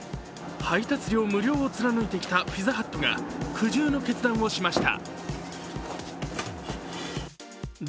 配達料無料を貫いてきたピザハットが苦渋の決断をしました。